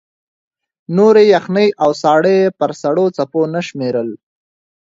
نورې یخنۍ او ساړه یې پر سړو څپو نه شمېرل.